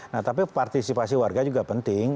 nah tapi partisipasi warga juga penting